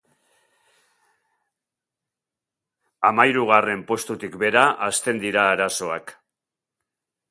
Hamahirugarren postutik behera hasten dira arazoak.